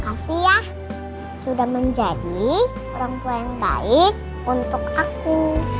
kasih ya sudah menjadi orang tua yang baik untuk aku